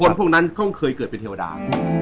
พวกนั้นเขาเคยเกิดเป็นเทวดา